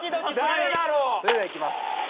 それではいきます。